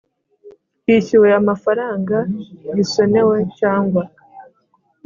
Hishyuwe amafaranga gisonewe cyangwa